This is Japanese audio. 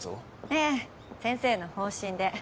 ええ先生の方針で。